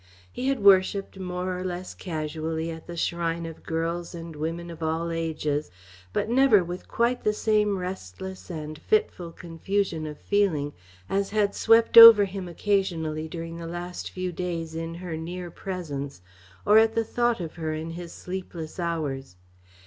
He had worshipped more or less casually at the shrine of girls and women of all ages, but never with quite the same restless and fitful confusion of feeling as had swept over him occasionally during the last few days in her near presence, or at the thought of her in his sleepless hours.